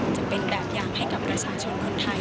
จะเป็นแบบอย่างให้กับประชาชนคนไทย